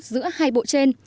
giữa hai bộ trên